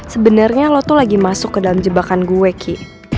sebenarnya lo tuh lagi masuk ke dalam jebakan gue ki